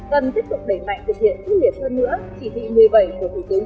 sản xuất thương doanh hàng nhập lậu hàng giả hàng kém chất lượng